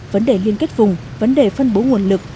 vấn đề liên kết vùng vấn đề phân bố nguồn lực